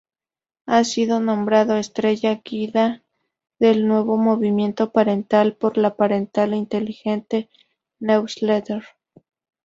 Ha sido nombrado "estrella guía del nuevo movimiento parental" por la Parental Intelligence Newsletter.